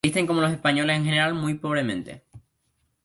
Visten como los españoles en general muy pobremente.